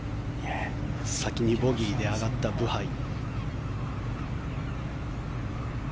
先にボギーで上がったブハイ。